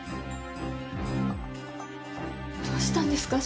どうしたんですか？